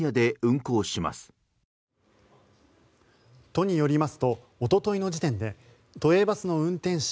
都によりますとおとといの時点で都営バスの運転士